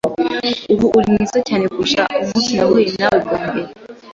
Ubu uri mwiza cyane kuruta umunsi nahuye nawe bwa mbere.